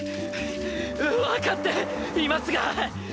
わかっていますが。